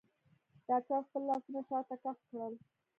ډاکتر خپل لاسونه شاته کښ کړل.